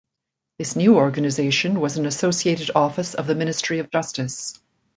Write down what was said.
This new organisation was an associated office of the Ministry of Justice.